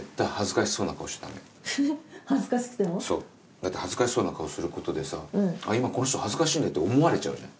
だって恥ずかしそうな顔することでさ「今この人恥ずかしいんだ」って思われちゃうじゃん。